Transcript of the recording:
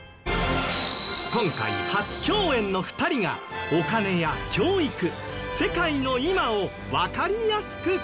今回初共演の２人がお金や教育世界の今をわかりやすく解説